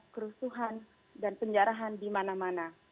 kerusuhan dan penjarahan di mana mana